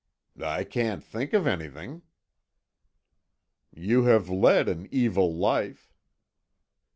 "I can't think of anything." "You have led an evil life."